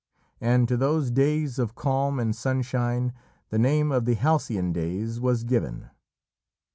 And to those days of calm and sunshine, the name of the Halcyon Days was given.